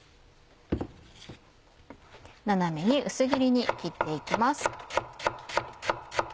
斜めに薄切りに切って行きます。